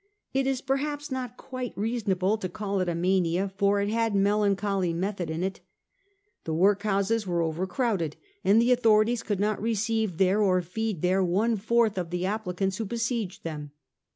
It is perhaps not quite reasonable to call it a mania, for it had melancholy method in it. The workhouses were overcrowded and the authorities could not receive there or feed there one fourth of the applicants who besieged them.